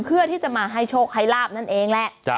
เพื่อที่จะมาให้โชคให้ลาบนั่นเองแหละ